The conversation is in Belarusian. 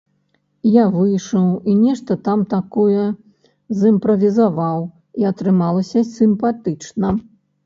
Я выйшаў і нешта там такое зымправізаваў, і атрымалася сімпатычна.